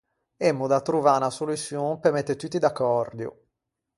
Emmo da trovâ unna soluçion pe mette tutti d’accòrdio.